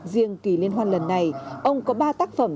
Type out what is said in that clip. riêng kỳ liên hoan lần này ông có ba tác phẩm